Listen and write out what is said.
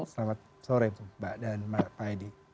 selamat sore mbak dan pak edi